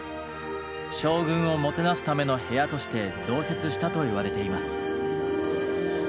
将軍をもてなすための部屋として増設したといわれています。